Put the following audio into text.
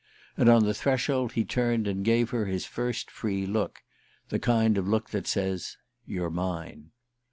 And on the threshold he turned and gave her his first free look the kind of look that says: _"You're mine."